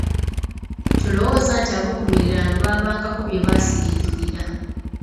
Tolowooza nti ab'Okumiliraano baabangako byebasirikira